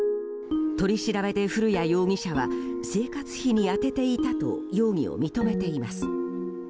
取り調べで古谷容疑者は生活費に充てていたと容疑を認めています。